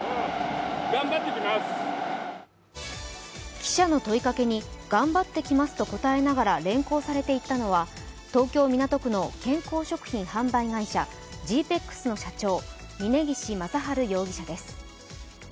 記者の問いかけに頑張ってきますと答えながら連行されていったのは、東京・港区の健康食品販売会社Ｇ−ＰＥＸの社長・峯岸正治容疑者です。